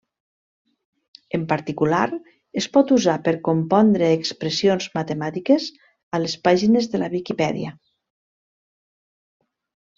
En particular, es pot usar per compondre expressions matemàtiques a les pàgines de la Viquipèdia.